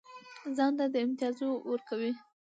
ځان ته دا امتیاز ورکوي.